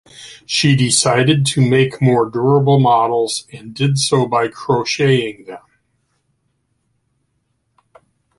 She decided to make more durable models, and did so by crocheting them.